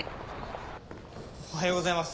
おはようございます。